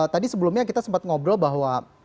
tadi sebelumnya kita sempat ngobrol bahwa